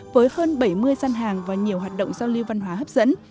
với hơn bảy mươi gian hàng và nhiều hoạt động giao lưu văn hóa hấp dẫn